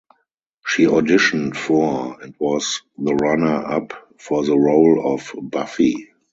She auditioned for, and was the runner up for the role of Buffy.